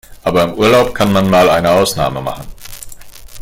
Aber im Urlaub kann man mal eine Ausnahme machen.